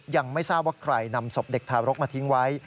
ยังไม่ทราบว่าใครนำศพเด็กทารกมาทิ้งไว้